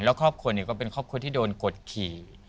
แล้วครอบครัวก็เป็นครอบครัวที่โดนกดขี่